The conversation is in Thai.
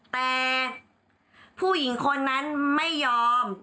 แต่ผู้หญิงคนนั้นไม่ยอม